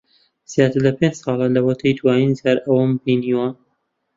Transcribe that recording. زیاتر لە پێنج ساڵە لەوەتەی دوایین جار ئەوم بینیوە.